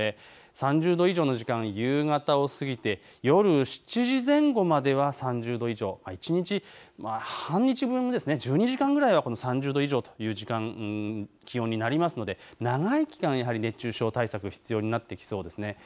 ３０度以上の時間、夕方を過ぎて夜７時前後までは３０度以上、一日、半日分、１２時間ぐらい３０度以上という気温になりますので長い期間、熱中症対策必要になってきそうです。